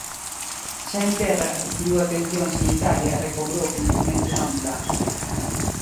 Xa en terra, recibiu atención sanitaria e recobrou o coñecemento na ambulancia.